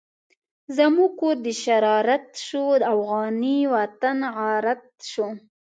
زموږ کور د شرارت شو، افغانی وطن غارت شو